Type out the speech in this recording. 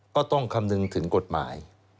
ก็ต้องคำนึงถึงกฎหมาย